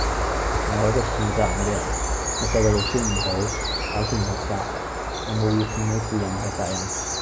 我系一個負責任嘅人，我細個讀書唔好，考試唔合格，我冇要父母負任何責任